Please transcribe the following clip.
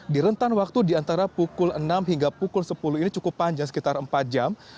di rentan waktu di antara pukul enam hingga pukul sepuluh ini cukup panjang sekitar empat jam